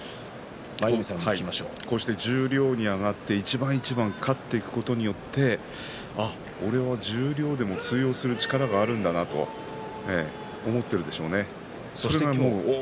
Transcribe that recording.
こうして十両に上がって一番一番勝っていくことによってああ俺は十両でも通用する力はあるんだなと思っているでしょう。